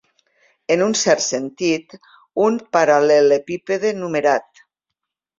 En un cert sentit, un paral·lelepípede numerat.